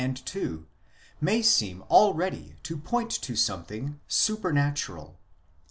and ii., may seem already to point to something supernatural.